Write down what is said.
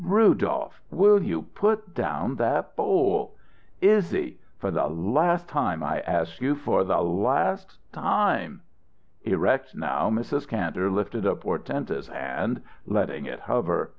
Ru dolph, will you put down that bowl? Iz zy for the last time I ask you for the last time " Erect now, Mrs. Kantor lifted a portentous hand, letting it hover.